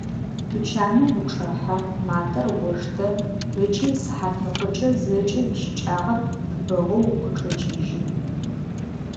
Тучаным учӏэхьэ, матэр оштэ ыкӏи сыхьатныкъокӏэ зэкӏэ уищыкӏагъэр пӏыгъэу укъычӏэкӏыжьы.